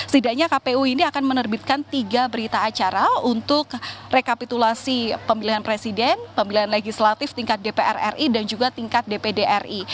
setidaknya kpu ini akan menerbitkan tiga berita acara untuk rekapitulasi pemilihan presiden pemilihan legislatif tingkat dpr ri dan juga tingkat dpd ri